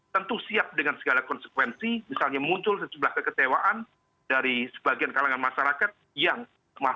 tentu siap dengan segala konsekuensi misalnya muncul secepat keketewaan dari sebagian kalangan masyarakat yang masih peduli terhadap sejarah gerakan reformasi sembilan puluh delapan